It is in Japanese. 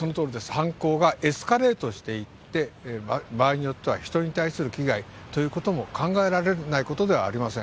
犯行がエスカレートしていって、場合によっては人に対する危害ということも、考えられないことではありません。